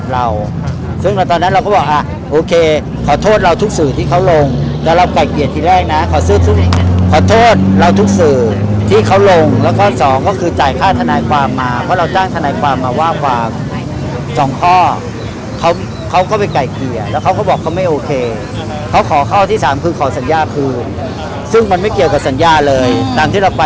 เอ้าออกมาเรื่องนี้ได้ยังไงฉันนึกว่าเรื่องพจมันสว่างคาตา